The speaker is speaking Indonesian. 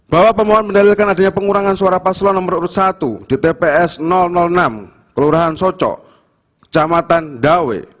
bahwa pemohon mendalilkan adanya pengurangan suara paslon nomor urut satu di tps enam kelurahan soco kecamatan dawe